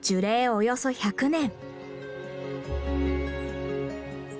およそ１００年。